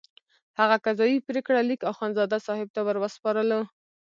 هغه قضایي پرېکړه لیک اخندزاده صاحب ته وروسپارلو.